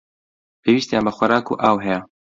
پێویستیان بە خۆراک و ئاو هەیە.